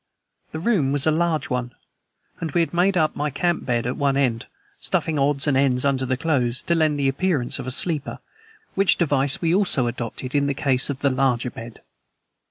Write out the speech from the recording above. The room was a large one, and we had made up my camp bed at one end, stuffing odds and ends under the clothes to lend the appearance of a sleeper, which device we also had adopted in the case of the larger bed.